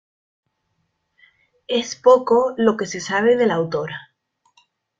Es poco lo que se sabe de la autora.